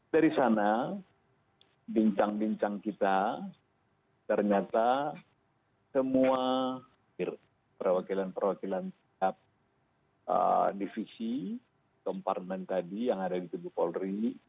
dari sana bincang bincang kita ternyata semua perwakilan perwakilan setiap divisi komparmen tadi yang ada di tubuh polri